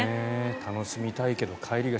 楽しみたいけど帰りが。